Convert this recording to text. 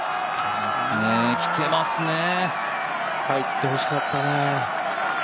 入ってほしかったね。